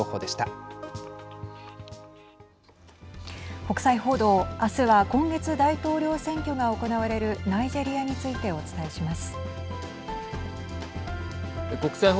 国際報道、明日は今月、大統領選挙が行われるナイジェリアについてお伝えします。